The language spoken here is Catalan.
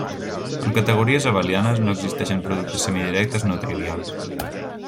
En categories abelianes, no existeixen productes semidirectes no trivials.